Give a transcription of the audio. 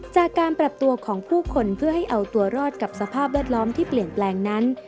จากการปรับตัวของผู้คนเพื่อให้เอาตัวรอดกับสภาพแวดล้อมที่เปลี่ยนแปลงนั้น